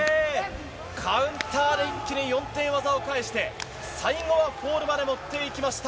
カウンターで一気に４点技を返して、最後はフォールまで持っていきました。